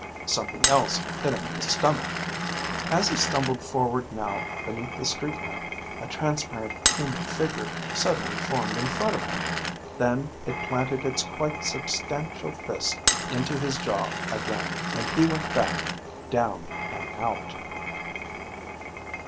Something else hit him in the stomach. As he stumbled forward now, beneath the street lamp, a transparent human figure suddenly formed in front of him. Then it planted its quite substantial fist into his jaw again, and he went back, down, and out.